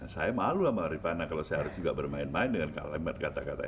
saya malu sama rifana kalau saya harus juga bermain main dengan kalimat kata kata